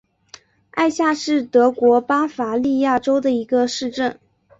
艾夏是德国巴伐利亚州的一个市镇。